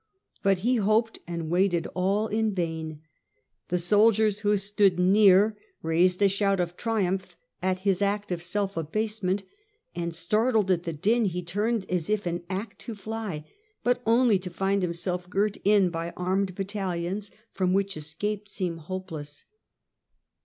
But he hoped and waited all in vain ; the soldiers who stood near raised a shout of triumph at his act of self abasement, and startled at the din he turned as if in act to fly, but only to find himself girt in by armed battalions, from whom escape seemed hopeless.